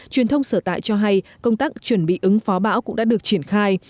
truyền thông sở tại cho hay công tác chuẩn bị ứng phó bão cũng đã được triển khai